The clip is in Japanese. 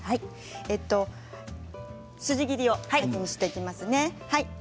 筋切りをしていきます。